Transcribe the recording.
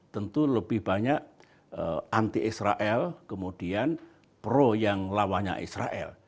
tentu lebih banyak anti israel kemudian pro yang lawannya israel